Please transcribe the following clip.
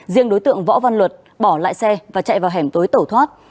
riêng đối tượng võ văn luật bỏ lại xe và chạy vào hẻm tối tẩu thoát